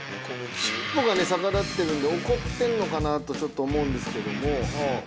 尻尾が逆立ってるんで怒ってるのかな？とちょっと思うんですけども。